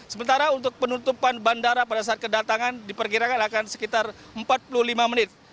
sementara untuk penutupan bandara pada saat kedatangan diperkirakan akan sekitar empat puluh lima menit